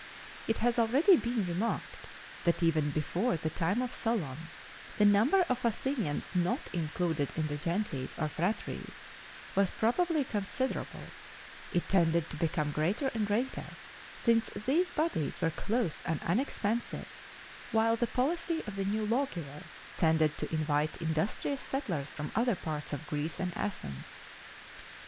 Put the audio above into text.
It has already been remarked, that even before the time of Solon the number of Athenians not included in the gentes or phratries was probably considerable: it tended to become greater and greater, since these bodies were close and unexpansive, while the policy of the new lawgiver tended to invite industrious settlers from other parts of Greece and Athens.